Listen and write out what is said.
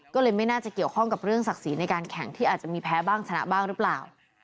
ก็เลยไม่น่าจะเกี่ยวข้องกับเรื่องศักดิ์ศรีในการแข่งที่อาจจะมีแพ้บ้างชนะบ้างหรือเปล่า